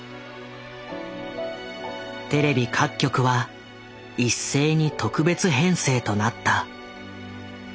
テレビ各局は一斉に特別編成となった。